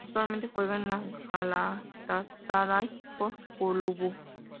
Actualmente juega en el galatasaray spor kulübü